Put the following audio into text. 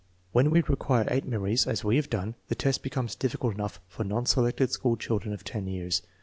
When we require eight memories, as we have done, the test becomes difficult enough for non selected school children of 10 years.